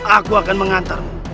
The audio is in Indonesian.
aku akan mengantarmu